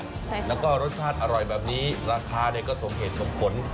ใช่ค่ะแล้วก็รสชาติอร่อยแบบนี้ราคาเนี่ยก็สมเหตุสมผล